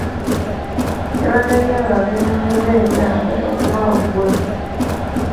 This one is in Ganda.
Tebaganya abo abeenoonyeza ebyabwe okubawugula.